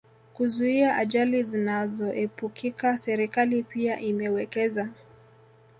kuzuia ajali zinazoepukika Serikali pia imewekeza